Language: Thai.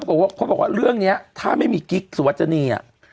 ใครบอกว่าเรื่องเนี้ยถ้าไม่มีกิ๊กสุวรรษณีย์